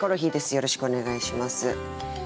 よろしくお願いします。